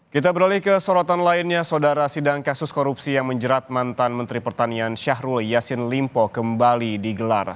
kita beralih ke sorotan lainnya saudara sidang kasus korupsi yang menjerat mantan menteri pertanian syahrul yassin limpo kembali digelar